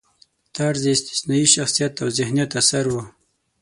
طرزی استثنايي شخصیت او ذهینت اثر و.